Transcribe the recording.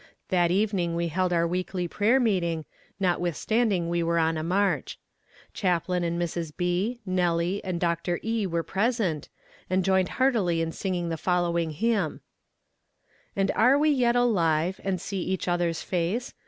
That evening we held our weekly prayer meeting, notwithstanding we were on a march. Chaplain and Mrs. B., Nellie, and Dr. E. were present, and joined heartily in singing the following hymn: And are we yet alive, And see each other's face?